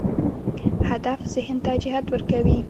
هدف ذهن ته جهت ورکوي.